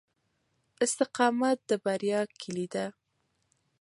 استقامت د بریا کیلي ده.